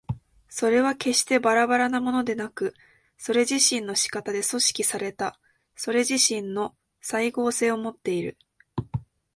それは決してばらばらなものでなく、それ自身の仕方で組織されたそれ自身の斉合性をもっている。